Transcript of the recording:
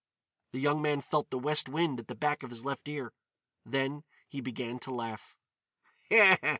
The young man felt the west wind at the back of his left ear. Then he began to laugh.